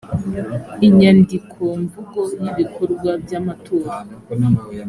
inyandikomvugo y ibikorwa by amatora